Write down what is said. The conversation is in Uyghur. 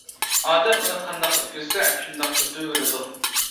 ئادەم ئۇنى قانداق ئۆتكۈزسە، شۇنداق ئۆتۈۋېرىدۇ.